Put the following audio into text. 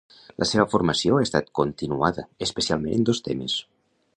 La seva formació ha estat continuada especialment en dos temes.